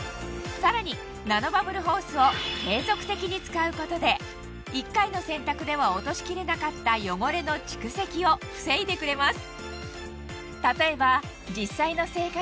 さらにナノバブルホースを継続的に使うことで一回の洗濯では落としきれなかった汚れの蓄積を防いでくれます